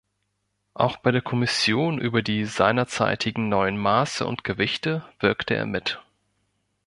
Auch bei der Kommission über die seinerzeitigen neuen Maße und Gewichte wirkte er mit.